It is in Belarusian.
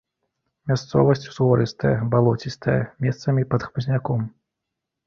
Мясцовасць узгорыстая, балоцістая, месцамі пад хмызняком.